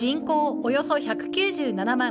およそ１９７万。